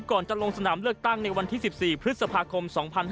ก่อนจะลงสนามเลือกตั้งในวันที่๑๔พฤษภาคม๒๕๖๒